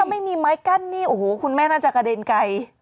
ไม่มีไม้กั้นนี่โอ้โหคุณแม่น่าจะกระเด็นไกล